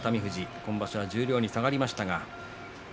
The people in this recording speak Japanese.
今場所十両に下がりました。